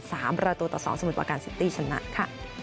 ๓ราตูต่อ๒สมุดวาการซิตี้ชนะค่ะ